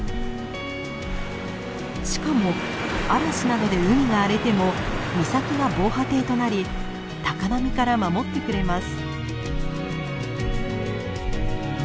しかも嵐などで海が荒れても岬が防波堤となり高波から守ってくれます。